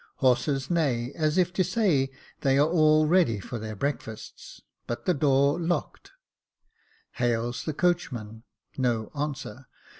Horses neigh, as if to say they are all ready for their breakfasts ; but the door locked. Hails the coachman, no answer.